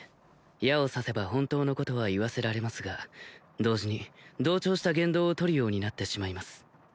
矢を刺せば本当のことは言わせられますが同時に同調した言動を取るようになってしまいます